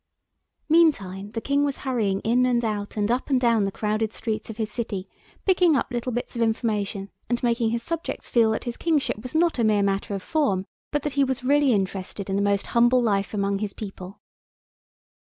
Meantime the King was hurrying in and out and up and down the crowded streets of his city, picking up little bits of information, and making his subjects feel that his kingship was not a mere matter of form, but that he was really interested in the most humble life among his people.